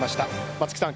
松木さん